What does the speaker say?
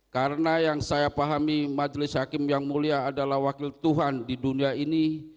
karena yang saya pahami majelis hakim yang mulia adalah wakil tuhan di dunia ini